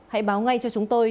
hãy báo ngay cho chúng tôi